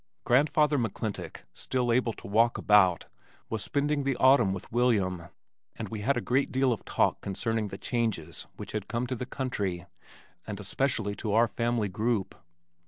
Grandfather McClintock, still able to walk about, was spending the autumn with William and we had a great deal of talk concerning the changes which had come to the country and especially to our family group.